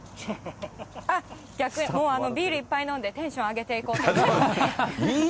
あっ、逆にビールいっぱい飲んでテンション上げていこうと。